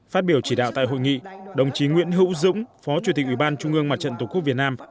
phát biểu chỉ đạo tại hội nghị đồng chí nguyễn hữu dũng phó chủ tịch ủy ban trung ương mặt trận tổ quốc việt nam